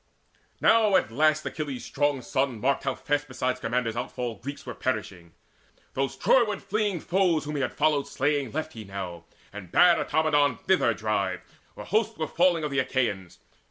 Now at the last Achilles' strong son marked How fast beside Scamander's outfall Greeks Were perishing. Those Troyward fleeing foes Whom he had followed slaying, left he now, And bade Automedon thither drive, where hosts Were falling of the Achaeans.